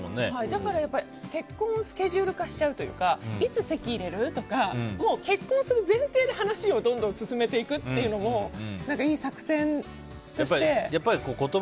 だから結婚をスケジュール化しちゃうというかいつ籍入れる？とか結婚する前提で話を進めていくというのもいい作戦なのかなと。